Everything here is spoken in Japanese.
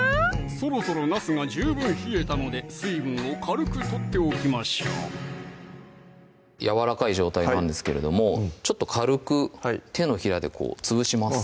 そろそろなすが十分冷えたので水分を軽く取っておきましょうやわらかい状態なんですけれどもちょっと軽く手のひらでこう潰します